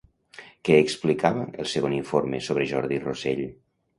Què explicava el segon informe sobre Jordi Rosell?